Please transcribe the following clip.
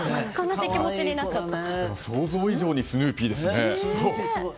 でも、想像以上にスヌーピーですね。